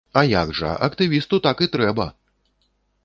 А як жа, актывісту так і трэба!